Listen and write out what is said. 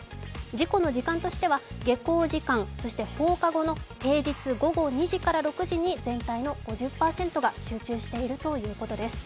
事故の時間としては下校時間、そして放課後の平日午後２時から６時に全体の５０％が集中しているということです。